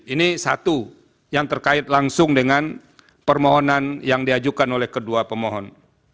ini satu yang terkait langsung dengan permohonan yang diajukan oleh kedua pemohon